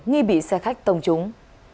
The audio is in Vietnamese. nghi bị xe khách tông trúng